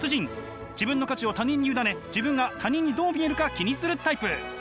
自分の価値を他人に委ね自分が他人にどう見えるか気にするタイプ。